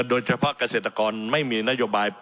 โดยเฉพาะเกษตรกรไม่มีนโยบาย